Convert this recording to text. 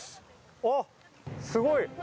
あっすごい。